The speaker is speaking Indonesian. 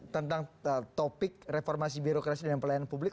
tentang topik reformasi birokrasi dan pelayanan publik